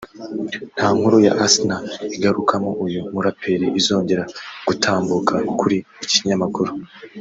nta nkuru ya Asinah igarukamo uyu muraperi izongera gutambuka kuri iki kinyamakuru